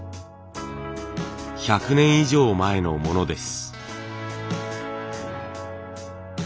１００年以上前のものです。